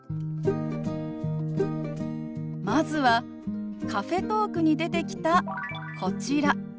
まずはカフェトークに出てきたこちら。